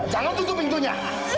jangan tutup pintunya